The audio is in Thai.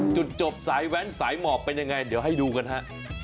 จุดจบสายแว้นสายหมอบเป็นยังไงเดี๋ยวให้ดูกันฮะ